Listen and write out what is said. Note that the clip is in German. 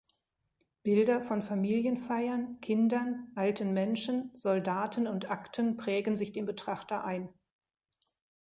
Bilder von Familienfeiern, Kindern, alten Menschen, Soldaten und Akten prägen sich dem Betrachter ein.